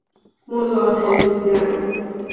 مزاحم بودن